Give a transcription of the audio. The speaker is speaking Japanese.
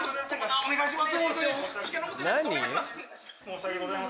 お願いします！